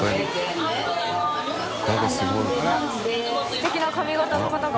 すてきな髪形の方が。